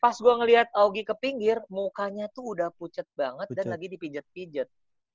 pas gue ngeliat augie ke pinggir mukanya tuh udah pucet banget dan lagi dipijat pijat